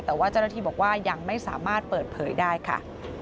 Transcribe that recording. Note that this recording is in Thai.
แต่ว่าเจ้าหน้าที่บอกว่ายังไม่สามารถเปิดเผยได้ค่ะ